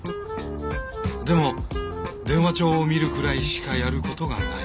でも電話帳を見るくらいしかやることがない。